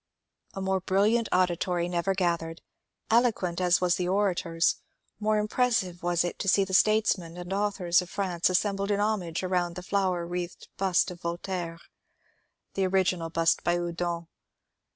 A more brilliant auditory never gathered. Eloquent as were the orators, more impressive was it to see the statesmen and authors of France assembled in homage around the flower wreathed bust of Voltaire — the original bust by Houdon.